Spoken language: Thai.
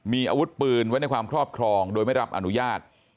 มีอาวุธปืนไว้ในความครอบครองโดยไม่รับอนุญาต